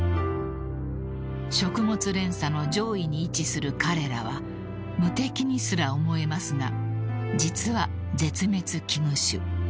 ［食物連鎖の上位に位置する彼らは無敵にすら思えますが実は絶滅危惧種］